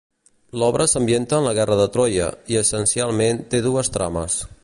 L'obra s'ambienta en la guerra de Troia, i essencialment té dues trames.